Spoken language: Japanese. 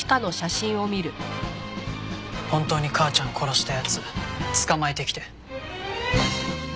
本当に母ちゃん殺した奴捕まえてきて。